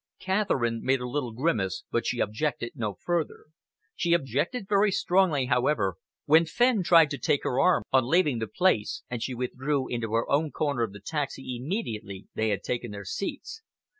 Catherine made a little grimace, but she objected no further. She objected very strongly, however, when Fenn tried to take her arm on leaving the place, and she withdrew into her own corner of the taxi immediately they had taken their seats.